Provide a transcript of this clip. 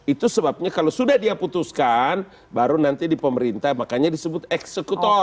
itu sebabnya kalau sudah dia putuskan baru nanti di pemerintah makanya disebut eksekutor